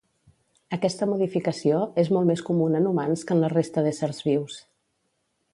Aquesta modificació és molt més comuna en humans que en la resta d'éssers vius.